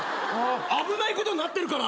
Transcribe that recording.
危ないことになってるから。